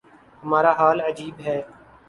ہمارا حال عجیب ہے۔